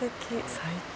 最高。